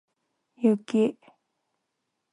雪